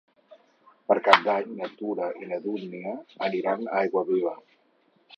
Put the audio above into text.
Per Cap d'Any na Tura i na Dúnia aniran a Aiguaviva.